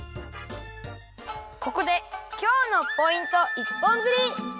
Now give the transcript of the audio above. ここで今日のポイント一本釣り！